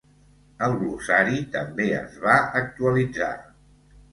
El glossari també es va actualitzar.